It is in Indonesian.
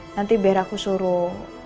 nanti biar aku suruh